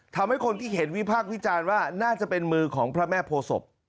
ทำให้คนที่เห็นวิพากษ์วิจารณ์ว่าน่าจะเป็นมือของพระแม่โพศพ